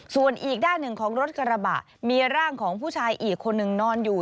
ส่วนอีกด้านหนึ่งของรถกระบะมีร่างของผู้ชายอีกคนหนึ่งนอนอยู่